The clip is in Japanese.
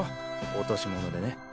落とし物でね。